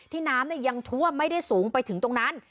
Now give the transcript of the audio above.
น้ำยังท่วมไม่ได้สูงไปถึงตรงนั้น